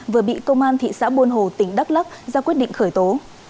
vừa bị công an thị xã buôn hồ tỉnh đắk lắc ra quyết định khởi tố